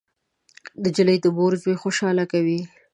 نجلۍ د مور زوی خوشحاله کوي.